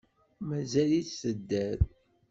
Mazal-itt tedder.